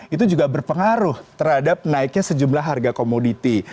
itu juga berpengaruh terhadap naiknya sejumlah harga komoditi